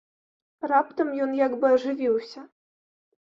Раптам ён як бы ажывіўся.